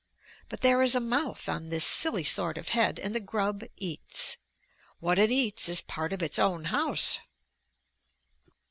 But there is a mouth on this silly sort of head, and the grub eats. What it eats is part of its own house!